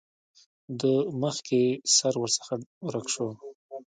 د مخکې سر ورڅخه ورک شو.